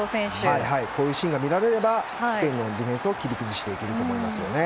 こういうシーンが見られればスペインのディフェンスを切り崩していけると思いますね。